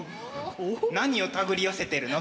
何をたぐり寄せてるの？